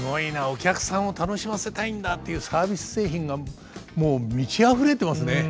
お客さんを楽しませたいんだっていうサービス精神がもう満ちあふれてますね。